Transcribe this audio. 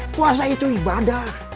puasa itu ibadah